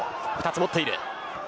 ２つ持っています。